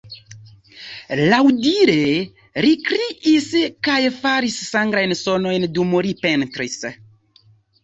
Laŭdire li kriis kaj faris strangajn sonojn dum li pentris.